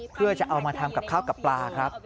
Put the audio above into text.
เพื่อจะเอามาทำกับข้าวกับปลาครับ